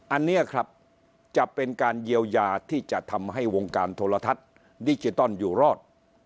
อันนี้ครับจะเป็นการเยียวยาที่จะทำให้วงการโทรทัศน์ดิจิตอลอยู่รอด